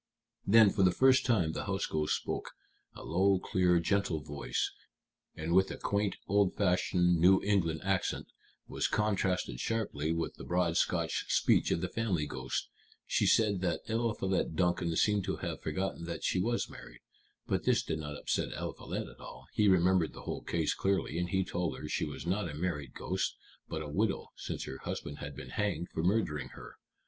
Then, for the first time, the house ghost spoke, a low, clear, gentle voice, and with a quaint, old fashioned New England accent, which contrasted sharply with the broad Scotch speech of the family ghost. She said that Eliphalet Duncan seemed to have forgotten that she was married. But this did not upset Eliphalet at all; he remembered the whole case clearly, and he told her she was not a married ghost, but a widow, since her husband had been hanged for murdering her.